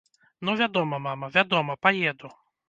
Ну вядома, мама, вядома, паеду.